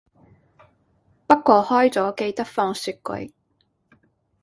不過開咗記得放雪櫃